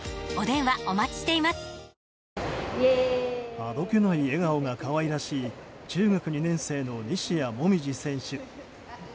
あどけない笑顔が可愛らしい中学２年生の西矢椛選手。